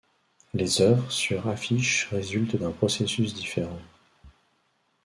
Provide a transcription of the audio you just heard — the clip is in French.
Les œuvres sur affiche résultent d'un processus différent.